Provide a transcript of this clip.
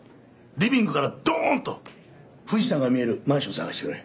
リビングからドンと富士山が見えるマンションを探してくれ！